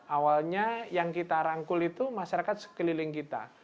awalnya yang kita rangkul itu masyarakat sekeliling kita